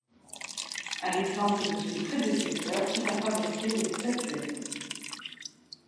À l'exemple de ses prédécesseurs il a fabriqué des statuettes.